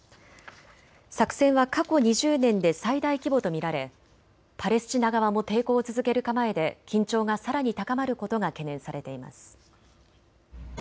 作戦は過去２０年で最大規模と見られパレスチナ側も抵抗を続ける構えで緊張がさらに高まることが懸念されています。